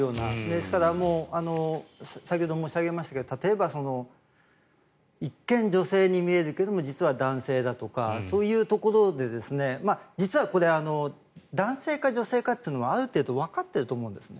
ですから先ほど申し上げましたが例えば一見、女性に見えるけど実は男性だとかそういうところで実はこれは男性か女性かというのはある程度わかってると思うんです。